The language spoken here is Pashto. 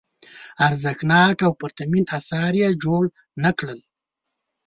ارزښتناک او پرتمین اثار یې جوړ نه کړل.